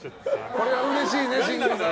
これはうれしいね、慎吾さん。